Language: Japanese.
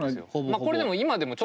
まこれでも今でも。